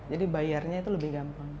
jadi bayarnya itu lebih gampang